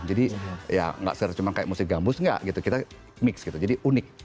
jadi ya gak secara cuman kayak musik gambus enggak gitu kita mix gitu jadi unik